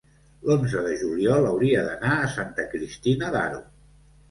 l'onze de juliol hauria d'anar a Santa Cristina d'Aro.